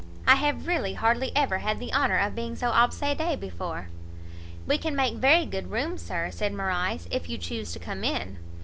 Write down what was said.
I have really hardly ever had the honour of being so obsedé before." "We can make very good room, Sir," said Morrice, "if you chuse to come in."